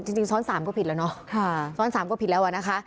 จริงซ้อน๓ก็ผิดแล้วเนาะซ้อน๓ก็ผิดแล้วอะนะคะ